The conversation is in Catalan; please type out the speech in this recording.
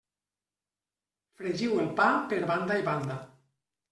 Fregiu el pa per banda i banda.